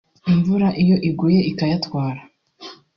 imvura iyo iguye ikayatwara